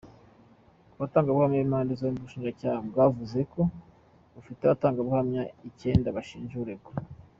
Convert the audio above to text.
Ku batangabuhamya b’impande zombi, ubushinjacyaha bwavuze ko bufite abatangabuhamya icyenda bashinja uregwa.